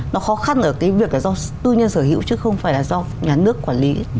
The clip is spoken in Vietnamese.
nó khó khăn ở cái việc là do tư nhân sở hữu chứ không phải là do nhà nước quản lý